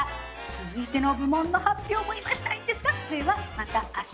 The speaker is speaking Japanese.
続いての部門の発表も今したいんですがそれはまた明日。